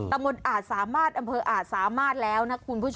ตะหมดอาสามาสอำเภออาสามาสแล้วนะคุณผู้ชม